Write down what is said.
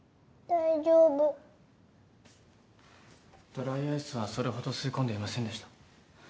ドライアイスはそれほど吸い込んでいませんでした。